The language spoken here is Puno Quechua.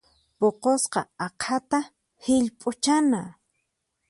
Puqusqa aqhata hillp'uchana.